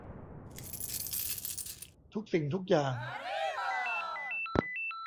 ทุกสิ่งทุกอย่าง